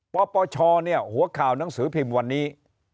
ปปชเนี่ยหัวข่าวหนังสือพิมพ์วันนี้